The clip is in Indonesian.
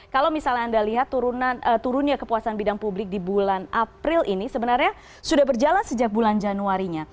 kalau misalnya anda lihat turunnya kepuasan bidang publik di bulan april ini sebenarnya sudah berjalan sejak bulan januari nya